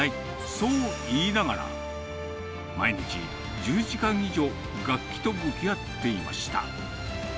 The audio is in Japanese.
そう言いながら、毎日１０時間以上楽器と向き合っていました。